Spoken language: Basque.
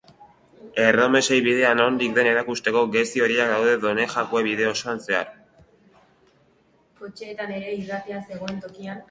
Erromesei bidea nondik den erakusteko, gezi horiak daude Donejakue bide osoan zehar.